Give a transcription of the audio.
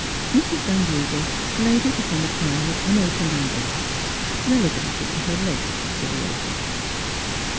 Mrs. Van Duser laid it upon the pile of unopened envelopes, rel egated to her later consideration.